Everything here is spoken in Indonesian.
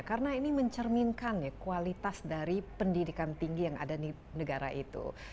karena ini mencerminkan kualitas dari pendidikan tinggi yang ada di negara itu